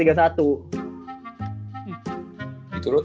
itu lu tau gak